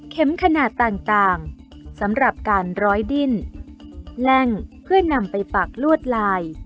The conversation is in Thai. ขนาดต่างสำหรับการร้อยดิ้นแล่งเพื่อนำไปปักลวดลาย